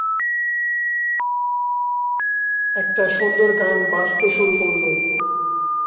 একটা সুন্দর গান বাজতে শুরু করলো।